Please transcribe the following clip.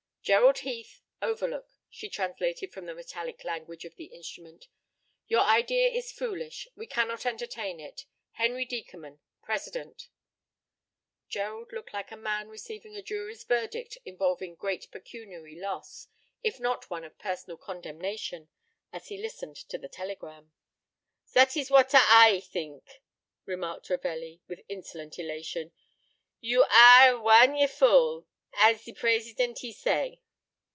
"Gerald Heath, Overlook," she translated from the metallic language of the instrument. "Your idea is foolish. We cannot entertain it. Henry Deckerman, president." Gerald looked like a man receiving a jury's verdict involving great pecuniary loss, if not one of personal condemnation, as he listened to the telegram. "Zat ees what a I theenk," remarked Ravelli, with insolent elation; "you ar r e one a fool, as ze president he say."